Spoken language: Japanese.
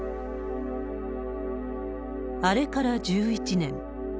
あれから１１年。